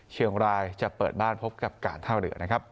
เชียงรายจะเปิดบ้านพบกับการท่าเรือนะครับ